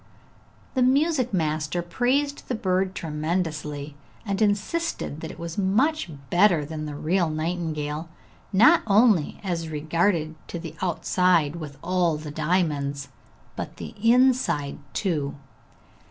The music master praised the bird tremendously, and insisted that it was much better than the real nightingale, not only as regarded the outside with all the diamonds, but the inside too.